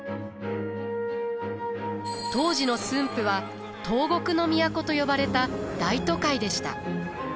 当時の駿府は東国の都と呼ばれた大都会でした。